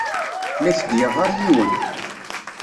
La ak-d-yeɣɣar yiwen.